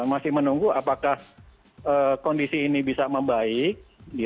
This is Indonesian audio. masih menunggu apakah kondisi ini bisa membaik